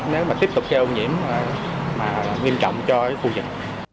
nếu tiếp tục gây ô nhiễm nghiêm trọng cho khu vực